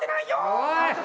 おい！